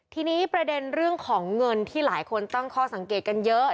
ทีนี้ประเด็นเรื่องของเงินที่หลายคนตั้งข้อสังเกตกันเยอะ